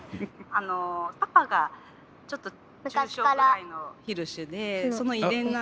あのパパがちょっと重症ぐらいのヒルシュでその遺伝なんです。